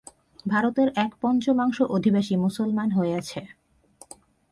ভারতের এক-পঞ্চমাংশ অধিবাসী মুসলমান হইয়াছে।